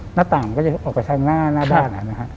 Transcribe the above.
หน้าต่างมันก็จะออกไปทางหน้าหน้าด้าน